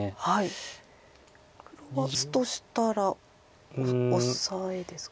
黒は打つとしたらオサエですか？